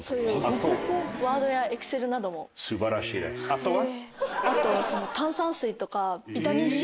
あとは。